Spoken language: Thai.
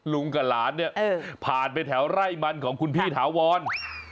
กับหลานเนี่ยผ่านไปแถวไร่มันของคุณพี่ถาวร